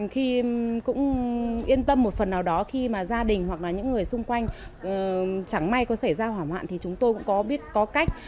khi cũng yên tâm một phần nào đó khi mà gia đình hoặc là những người xung quanh chẳng may có xảy ra hỏa hoạn thì chúng tôi cũng có biết có cách